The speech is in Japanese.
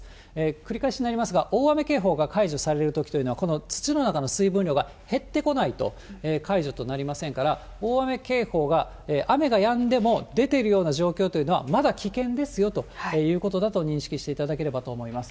繰り返しになりますが、大雨警報が解除されるときというのは、この土の中の水分量が減ってこないと解除となりませんから、大雨警報が、雨がやんでも出ているような状況というのは、まだ危険ですよということだと認識していただければと思います。